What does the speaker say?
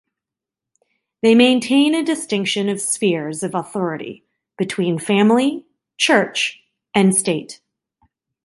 They maintain a distinction of spheres of authority between family, church, and state.